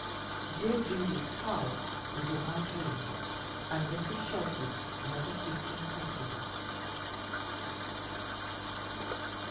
Dear Judy's howl was in my dream, and Mrs. Shelfer's never ceasing prattle.